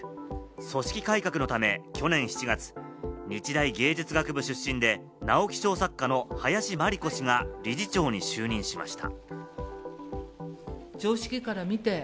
組織改革のため去年７月、日大芸術学部出身で直木賞作家の林真理子氏が理事長に就任しました。